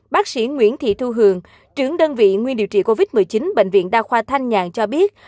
bác sĩ nguyễn thị thu hường trưởng đơn vị nguyên điều trị covid một mươi chín bệnh viện đa khoa thanh nhàn cho biết